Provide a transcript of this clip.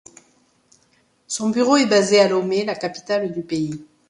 Son bureau est basé à Lomé, la capitale du pays.